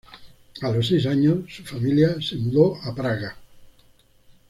A los seis años, su familia se mudó a Praga.